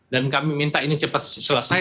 dan kami minta ini cepat selesai